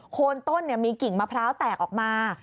โคนต้นมีกิ่งมะพร้าวแตกออกมา